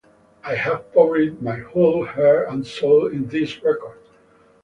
I have poured my whole heart and soul in this record.